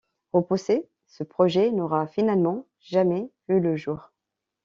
Repoussé, ce projet n'aura finalement jamais vu le jour.